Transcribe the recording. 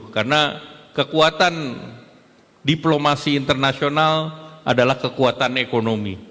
karena kekuatan diplomasi internasional adalah kekuatan ekonomi